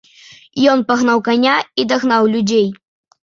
Ён пагнаў каня і дагнаў людзей.